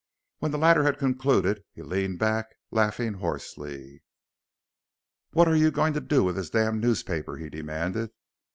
When the latter had concluded he leaned back, laughing hoarsely. "What are you going to do with this damn newspaper?" he demanded.